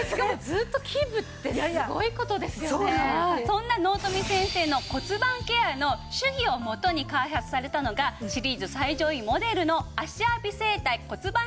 そんな納富先生の骨盤ケアの手技をもとに開発されたのがシリーズ最上位モデルの芦屋美整体骨盤